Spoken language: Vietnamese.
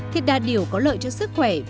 thì đà điểu có lợi cho sức khỏe